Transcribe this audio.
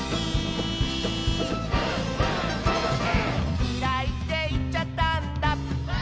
「きらいっていっちゃったんだ」